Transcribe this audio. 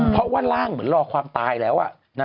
เพราะว่าร่างเหมือนรอความตายแล้ว